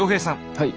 はい。